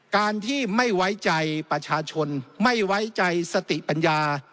การที่ไม่ไว้ใจประชาชนไม่ไว้ใจสติปัญญา